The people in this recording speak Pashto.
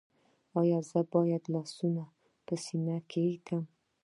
ایا زه باید لاسونه په سینه کیږدم؟